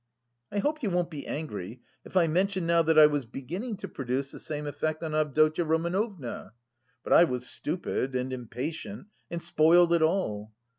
I hope you won't be angry if I mention now that I was beginning to produce the same effect on Avdotya Romanovna. But I was stupid and impatient and spoiled it all.